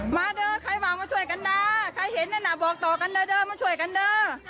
เด้อใครมามาช่วยกันนะใครเห็นนั่นน่ะบอกต่อกันเด้อมาช่วยกันเด้อ